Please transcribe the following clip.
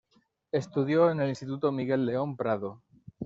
Estudió en el Instituto Miguel León Prado.